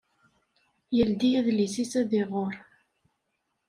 Yeldi adlis-is ad iɣer.